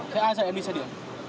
thế ai dạy em đi xe điện